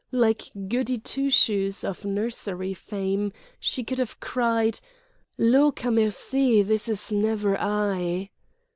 Like Goody Twoshoes of nursery fame she could have cried: Lawkamercy! this is never I!